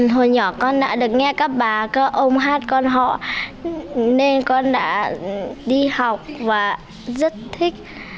hồi nhỏ con đã được nghe các bà các ông hát con họ nên con đã đi học và rất thích